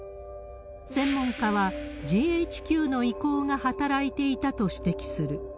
専門家は、ＧＨＱの意向が働いていたと指摘する。